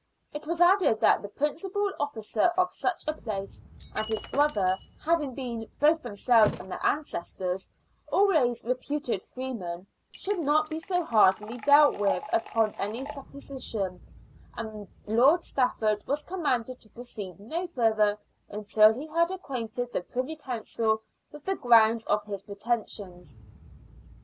It was added that the principal officer of such a place, and his brother, having been, both themselves and their ancestors, always reputed freemen, should not be so hardly dealt with upon any supposition, and Lord Stafford was commanded to proceed no further until he had acquainted the Privy Council with the grounds of his pretensions.